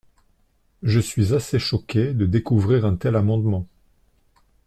Je suis assez choquée de découvrir un tel amendement.